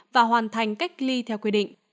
và hoàn thành cách ly theo quy định